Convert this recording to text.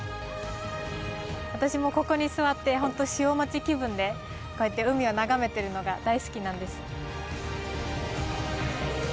私もここに座ってほんと潮待ち気分でこうやって海を眺めてるのが大好きなんです。